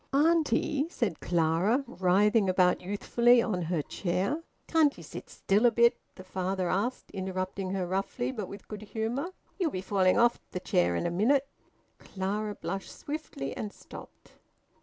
"Auntie," said Clara, writhing about youthfully on her chair. "Can't ye sit still a bit?" the father asked, interrupting her roughly, but with good humour. "Ye'll be falling off th' chair in a minute." Clara blushed swiftly, and stopped.